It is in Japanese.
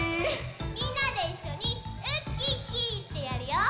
みんなでいっしょにウッキッキーってやるよ。